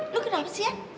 lo kenapa sih ya